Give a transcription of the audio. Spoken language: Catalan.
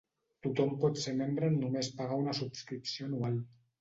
Tothom pot ser membre amb només pagar una subscripció anual.